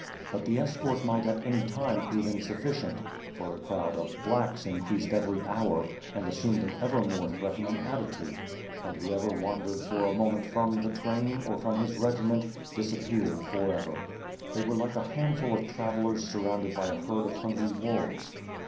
But the escort might at any time prove insufficient, for the crowd of ^Tjlacks" increased every hour and assumed an ever more threatening attitude; and whoever wandered for a moment from the train, or from his regiment, disappeared forever. They were like a handful of travellers surrounded by a herd of hungry wolves.